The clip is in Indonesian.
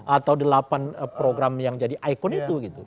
atau delapan program yang jadi ikon itu gitu